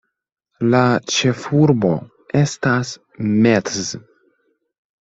La ĉefurbo estas Metz.